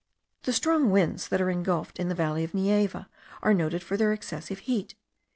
The strong winds that are ingulfed in the valley of Neiva are noted for their excessive heat.